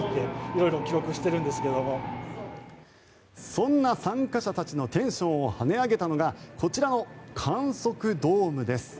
そんな参加者たちのテンションを跳ね上げたのがこちらの観測ドームです。